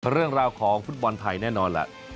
เรื่องราวของฟุตบอลไทยแน่นอนแหละ